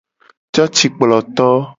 Cocikploto.